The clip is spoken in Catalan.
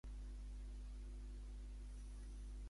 Càstor fou fill de Deiotarus, i besnet d'aquest darrer.